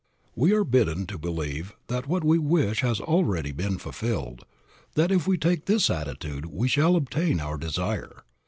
We are bidden to believe that what we wish has already been fulfilled; that if we take this attitude we shall obtain our desire.